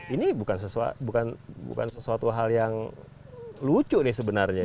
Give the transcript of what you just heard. ini bukan sesuatu hal yang lucu nih sebenarnya